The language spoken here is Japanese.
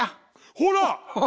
ほら！